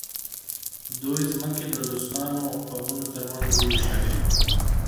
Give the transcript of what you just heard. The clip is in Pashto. دوی ځمکې د دوستانو او قومونو ترمنځ وویشلې.